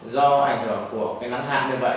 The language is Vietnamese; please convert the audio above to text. do hành hợp của cái nắng hát như vậy